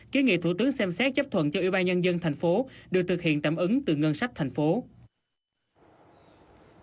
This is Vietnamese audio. kế nghị thủ tướng xem xét chấp thuận cho ủy ban nhân dân tp hcm được thực hiện tạm ứng từ ngân sách tp hcm